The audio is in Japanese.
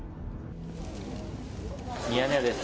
ミヤネ屋です。